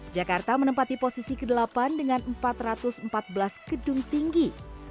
jakarta menempati posisi ke delapan dengan empat ratus empat belas gedung tinggi